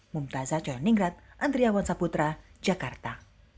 mumtazah conningrat andriawan saputra jakarta